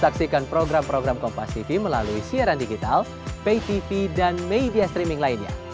saksikan program program kompas tv melalui siaran digital pay tv dan media streaming lainnya